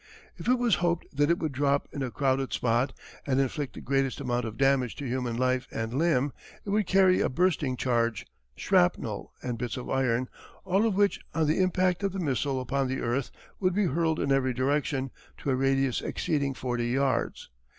If it was hoped that it would drop in a crowded spot and inflict the greatest amount of damage to human life and limb it would carry a bursting charge, shrapnel, and bits of iron, all of which on the impact of the missile upon the earth would be hurled in every direction to a radius exceeding forty yards.